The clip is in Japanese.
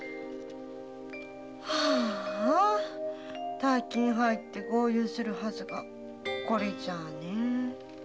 ああ大金入って豪遊するはずがこれじゃねえ。